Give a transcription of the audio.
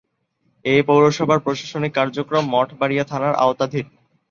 এ পৌরসভার প্রশাসনিক কার্যক্রম মঠবাড়িয়া থানার আওতাধীন।